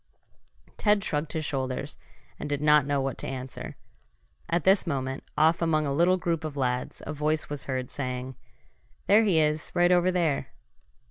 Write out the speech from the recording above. Ted shrugged his shoulders, and did not know what to answer. At this moment, off among a little group of lads, a voice was heard saying: "There he is right over there!"